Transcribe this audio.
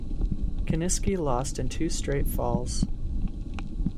Kiniski lost in two straight falls.